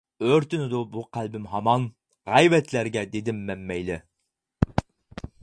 ئۆرتىنىدۇ بۇ قەلبىم ھامان، غەيۋەتلەرگە دېدىم مەن مەيلى.